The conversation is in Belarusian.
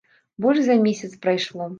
Больш за месяц прайшло.